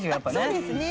そうですね。